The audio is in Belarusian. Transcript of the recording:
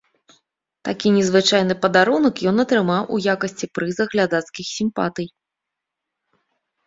Такі незвычайны падарунак ён атрымаў у якасці прыза глядацкіх сімпатый.